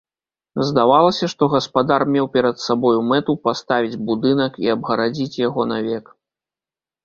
Здавалася, што гаспадар меў перад сабою мэту паставіць будынак і абгарадзіць яго навек.